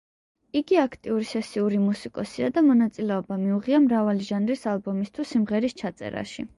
იგი აქტიური სესიური მუსიკოსია და მონაწილეობა მიუღია მრავალი ჟანრის ალბომის თუ სიმღერის ჩაწერაში.